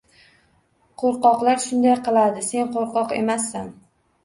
Qo’rqoqlar shunday qiladi, sen qo’rqoq emassan!